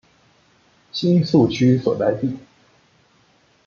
新宿区所在地。